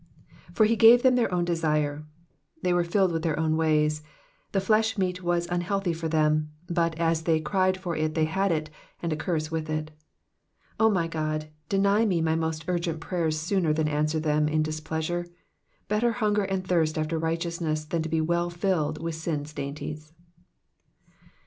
/br he gave them their own dMre,^^ They were filled with their own ways. The flesh ment was unhealthy for them, but as they cried for it they had it, and a curse with it. O my God, deny me my most urgent prayers sooner than answer them in displeasure. Better hunger and thirst after righteousness than to be well filled with sin's dainties.